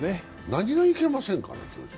何がいけませんかね、巨人。